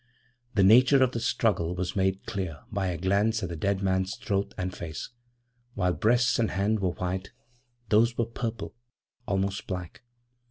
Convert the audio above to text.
< 13 > The nature of the struggle was made clear by a glance at the dead man's throat and face. While breast and hands were white, those were purple almost black.